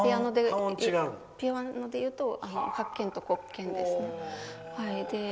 ピアノでいうと白鍵と黒鍵ですね。